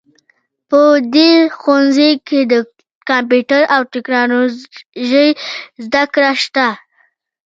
په دې ښوونځي کې د کمپیوټر او ټکنالوژۍ زده کړه شته